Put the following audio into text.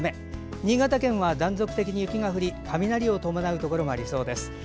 新潟県は断続的に雪が降り雷を伴うところもありそうです。